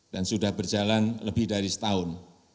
dan sudah berjalan lebih dari setahun